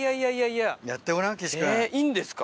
えっいいんですか。